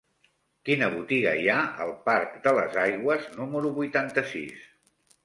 Quina botiga hi ha al parc de les Aigües número vuitanta-sis?